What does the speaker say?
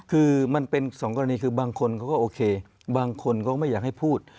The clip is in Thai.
คือมันเป็นสองกรณีคือบางคนเขาก็โอเคบางคนก็ไม่อยากให้พูด